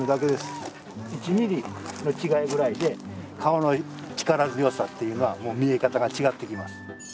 １ミリの違いぐらいで顔の力強さっていうのはもう見え方が違ってきます。